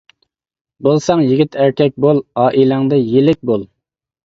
بولساڭ يىگىت ئەركەك بول، ئائىلەڭدە يىلىك بول.